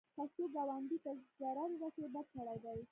که څوک ګاونډي ته ضرر ورسوي، بد سړی دی